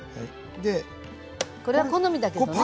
これは好みだけどね。